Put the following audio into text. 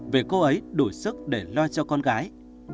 về cô ấy đủ sức để lo cho con gái